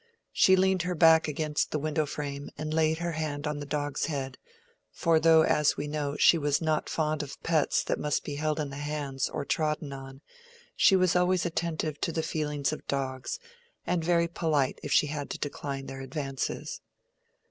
She leaned her back against the window frame, and laid her hand on the dog's head; for though, as we know, she was not fond of pets that must be held in the hands or trodden on, she was always attentive to the feelings of dogs, and very polite if she had to decline their advances.